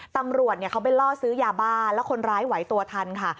ตำรวจเขาไปล่อซื้อยาบ้าแล้วคนร้ายไหวตัวทันค่ะ